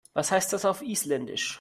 Was heißt das auf Isländisch?